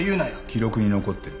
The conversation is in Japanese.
記録に残ってる。